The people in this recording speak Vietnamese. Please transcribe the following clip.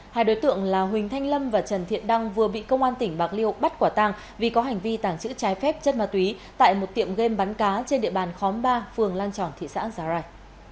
hai đối tượng là huỳnh thanh lâm và trần thiện đăng vừa bị công an tỉnh bạc liêu bắt quả tang vì có hành vi tàng trữ trái phép chất ma túy tại một tiệm game bắn cá trên địa bàn khóm ba phường lan tròn thị xã giá rai